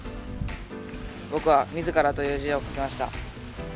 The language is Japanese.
僕は「自ら」という字を書きました。